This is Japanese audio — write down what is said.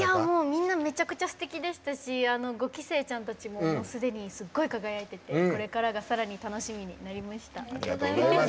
みんなめちゃくちゃすてきでしたし５期生ちゃんたちももうすでに、すっごい輝いていてこれからがさらに楽しみになりました。